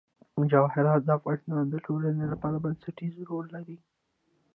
جواهرات د افغانستان د ټولنې لپاره بنسټيز رول لري.